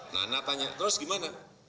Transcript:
nana tanya terus gimana